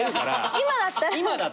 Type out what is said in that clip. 今だったらね。